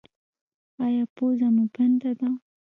ایا پوزه مو بنده ده؟